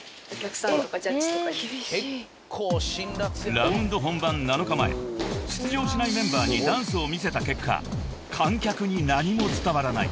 ［ＲＯＵＮＤ本番７日前出場しないメンバーにダンスを見せた結果「観客に何も伝わらない」